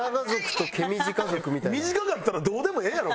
短かかったらどうでもええやろ。